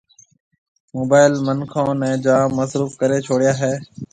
موبائل منکان نيَ جام مصروف ڪرَي ڇوڙيا ھيََََ